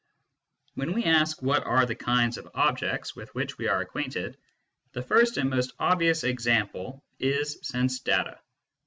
When /we ask what are the kinds of objects with which we are acquainted, the first and most obvious example is [sense data.